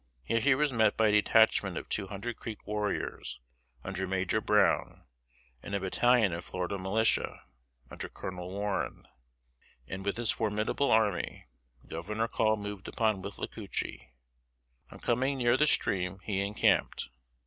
Here he was met by a detachment of two hundred Creek warriors, under Major Brown, and a battalion of Florida militia, under Colonel Warren; and with this formidable army, Governor Call moved upon Withlacoochee. On coming near the stream he encamped.